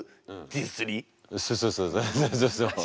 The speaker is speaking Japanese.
そうそうそうそう。